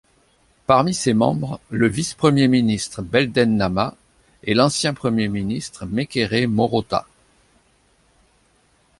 Parmi ses membres, le vice-premier ministre Belden Namah, et l'ancien premier ministre Mekere Morauta.